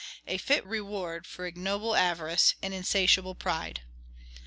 A fit reward for ignoble avarice, and insatiable pride.